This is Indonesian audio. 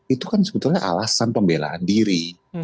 itu kan sebetulnya alasan pembelaan diri